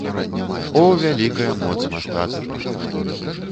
О, вялікая моц мастацтва!